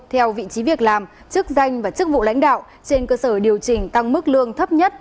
theo vị trí việc làm chức danh và chức vụ lãnh đạo trên cơ sở điều chỉnh tăng mức lương thấp nhất